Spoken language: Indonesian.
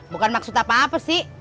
bukan maksud apa apa sih